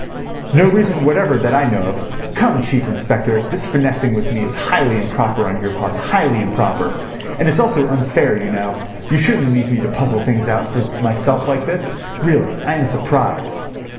"No reason whatever that I know of. Come, Chief Inspector, this finessing with me is highly improper on your part—highly improper. And it's also unfair, you know. You shouldn't leave me to puzzle things out for myself like this. Really, I am surprised."